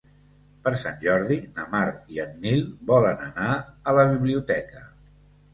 Per Sant Jordi na Mar i en Nil volen anar a la biblioteca.